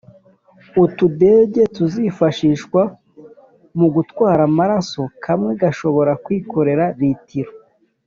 utudege tuzifashishwa mu gutwara amaraso kamwe gashobora kwikorera litiro